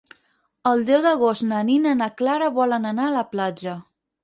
El deu d'agost na Nina i na Clara volen anar a la platja.